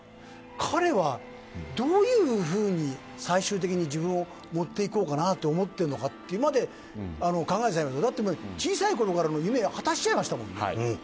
彼はどういうふうに最終的に自分を持っていこうかなと思ってるのか今まで考えてなかったけどだって、小さいころからの夢を果たしちゃいましたもんね。